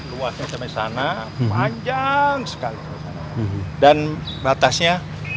luasnya sampai sana panjang sekali dan batasnya